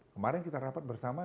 kemarin kita rapat bersama